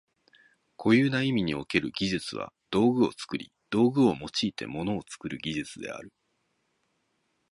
固有な意味における技術は道具を作り、道具を用いて物を作る技術である。